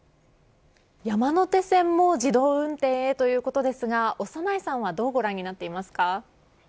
山手線も自動運転へということですが長内さんはどうご覧になっていますか。